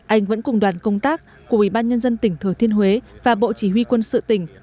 anh vẫn cùng đoàn công tác của ủy ban nhân dân tỉnh thừa thiên huế và bộ chỉ huy quân sự tỉnh